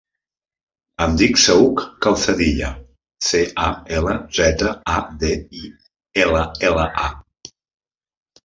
Em dic Saüc Calzadilla: ce, a, ela, zeta, a, de, i, ela, ela, a.